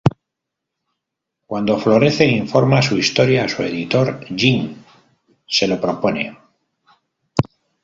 Cuando Florence informa su historia a su editor, Jim, se lo propone.